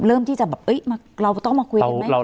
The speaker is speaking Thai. เริ่มที่จะแบบเราต้องมาคุยกันไหม